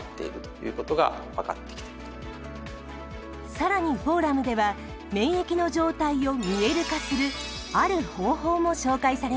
更にフォーラムでは免疫の状態を見える化するある方法も紹介されました。